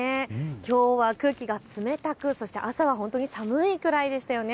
きょうは空気が冷たくそして朝は本当に寒いくらいでしたよね。